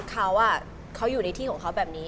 เขาอยู่ในที่ของเขาแบบนี้